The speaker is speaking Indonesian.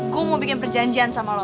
gue mau bikin perjanjian sama lo